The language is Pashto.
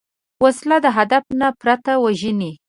وسله د هدف نه پرته وژني